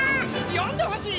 よんでほしい！